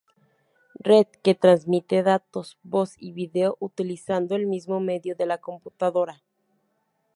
Red que transmite datos, voz y vídeo utilizando el mismo medio de la computadora.